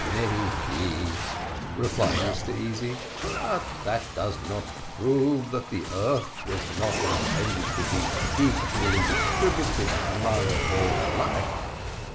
"That may be," replied Mr Easy; "but that does not prove that the earth was not intended to be equally distributed among all alike."